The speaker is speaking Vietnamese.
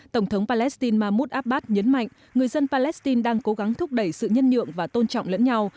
tổng thống palestine mahmoud abbas nhấn mạnh người dân palestine đang cố gắng thúc đẩy sự nhân nhượng và tôn trọng lẫn nhau